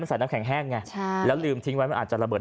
ใส่น้ำแข็งแห้งไงใช่แล้วลืมทิ้งไว้มันอาจจะระเบิ